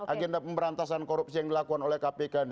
agenda pemberantasan korupsi yang dilakukan oleh kpk ini